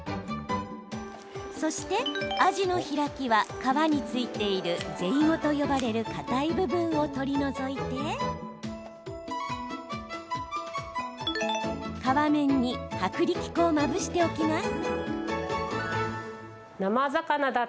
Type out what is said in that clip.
そして、あじの開きは皮に付いているゼイゴと呼ばれるかたい部分を取り除いて皮面に薄力粉をまぶしておきます。